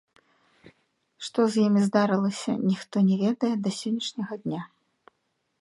Што з імі здарылася, ніхто не ведае да сённяшняга дня.